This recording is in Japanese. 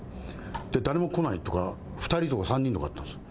誰も来ないとか２人とか、３人とかあったんですよ。